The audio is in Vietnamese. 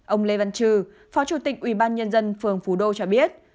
ông lê văn trừ phó chủ tịch ubnd phường phú đô cho biết